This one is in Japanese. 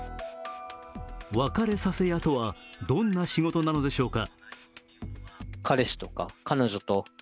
別れさせ屋とは、どんな仕事なのでしょうか。